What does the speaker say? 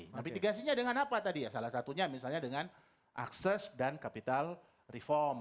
nah mitigasinya dengan apa tadi ya salah satunya misalnya dengan akses dan capital reform